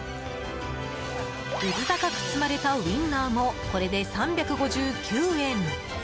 うず高く積まれたウインナーもこれで３５９円。